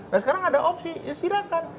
nah sekarang ada opsi ya silahkan